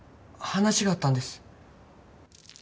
話があったんです。